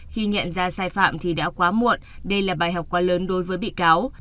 khi nhận ra sai phạm thì đã quá muộn đây là bài học quá lớn đối với bị cáo